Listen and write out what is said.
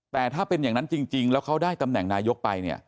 แต่ถ้าเป็นอย่างนั้นจริงแล้วเขาได้ตำแหน่งนายกไปเนี่ย